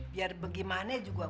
biar bagaimana juga